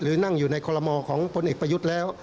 หรือนั่งอยู่ในคอลโลมอร์ของผลเอกประยุทธ์แล้ว